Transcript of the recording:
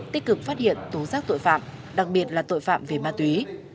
tích cực phát hiện tố giác tội phạm đặc biệt là tội phạm về ma túy